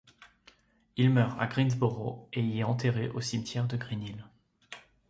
Il meurt à Greensboro et y est enterré au cimetière de Green Hill.